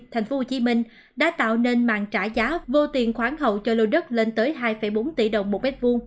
thành phố hồ chí minh đã tạo nên mạng trả giá vô tiền khoản hậu cho lội đất lên tới hai bốn tỷ đồng một m hai